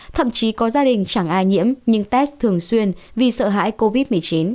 thậm chí có gia đình chẳng ai nhiễm nhưng test thường xuyên vì sợ hãi covid một mươi chín